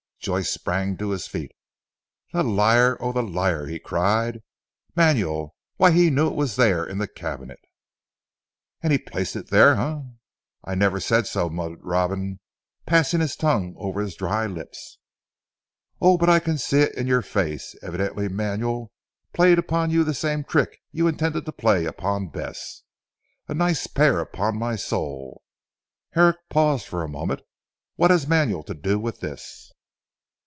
Joyce sprang to his feet. "The liar, oh, the liar!" he cried. "Manuel! why he knew it was in the cabinet." "And he placed it there, Eh!" "I never said so!" muttered Robin passing his tongue over his dry lips. "Oh, but I can see it it your face. Evidently Manuel played upon you the same trick you intended to play upon Bess. A nice pair, upon my soul!" Herrick paused for a moment. "What has Manuel to do with this?"